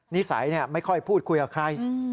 นิสัยไม่ค่อยพูดคุยกับใคร